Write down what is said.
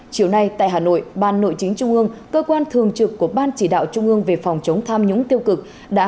chiều nay tại hà nội ban nội chính trung ương cơ quan thường trực của ban chỉ đạo trung ương về phòng chống tham nhũng tiêu cực